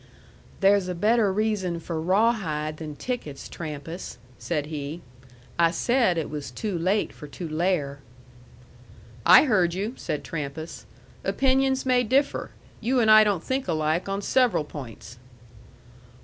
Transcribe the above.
"There's a better reason for Rawhide than tickets, Trampas," said he. "I said it was too late for Tulare." "I heard you," said Trampas. "Opinions may differ. You and I don't think alike on several points."